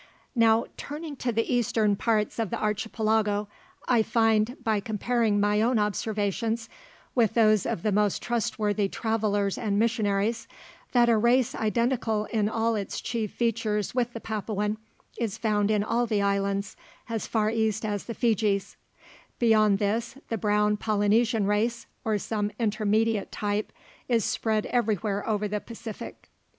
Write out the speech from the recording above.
Now, turning to the eastern parts of the Archipelago, I find, by comparing my own observations with those of the most trustworthy travellers and missionaries, that a race identical in all its chief features with the Papuan, is found in all the islands as far east as the Fijis; beyond this the brown Polynesian race, or some intermediate type, is spread everywhere over the Pacific.